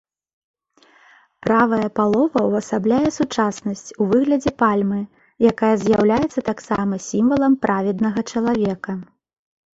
Правая палова ўвасабляе сучаснасць у выглядзе пальмы, якая з'яўляецца таксама сімвалам праведнага чалавека.